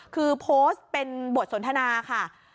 คือโพสต์เป็นบทสนทนาค่ะ